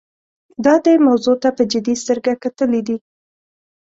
دا دې موضوع ته په جدي سترګه کتلي دي.